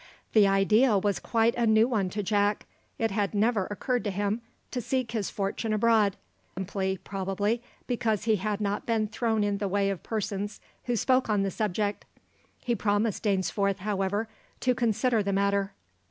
The idea was quite a new one to Jack. It had never occurred to him to seek his fortune abroad, simply, probably, because he had not been thrown in the way of persons who spoke on the subject. He promised Dainsforth, however, to consider the matter.